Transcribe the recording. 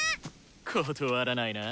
断らないなぁ。